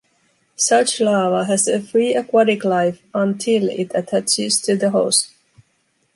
Such larva has a free aquatic life until it attaches to the host.